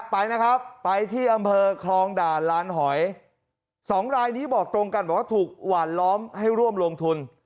ไปนะครับไปที่อำเภอคลองด่านลานหอยสองรายนี้บอกตรงกันบอกว่าถูกหวานล้อมให้ร่วมลงทุน